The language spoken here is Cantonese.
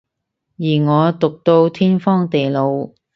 而我毒到天荒地老